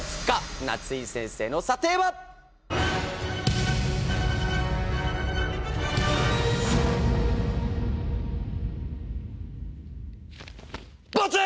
夏井先生の査定は⁉ボツ！